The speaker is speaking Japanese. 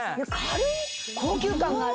高級感がある。